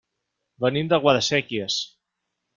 Venim de Guadasséquies.